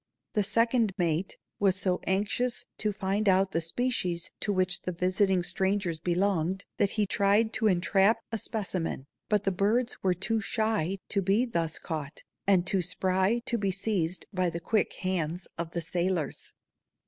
The second mate was so anxious to find out the species to which the visiting strangers belonged that he tried to entrap a specimen, but the birds were too shy to be thus caught and too spry to be seized by the quick hands of the sailors.